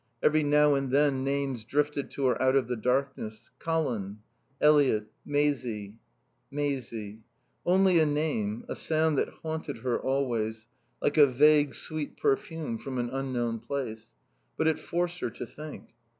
Every now and then names drifted to her out of the darkness: Colin Eliot Maisie. Maisie. Only a name, a sound that haunted her always, like a vague, sweet perfume from an unknown place. But it forced her to think.